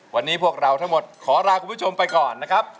วันนี้พวกเราทั้งหมดขอลาคุณผู้ชมไปก่อนนะครับ